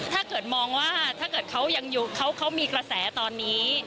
ถ้าเกิดมองว่าถ้าเกิดเขายังอยู่เขามีกระแสตอนนี้